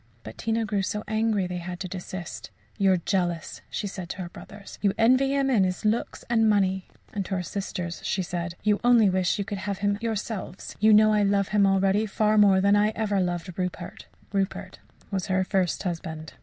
But Tina grew so angry they had to desist. "You are jealous," she said to her brothers. "You envy him his looks and money." And to her sisters she said, "You only wish you could have had him yourselves. You know I love him already far more than I ever loved Rupert." (Rupert was her first husband.)